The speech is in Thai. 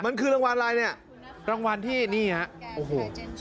มันคือรางวัลอะไรรางวัลที่นี่ครับ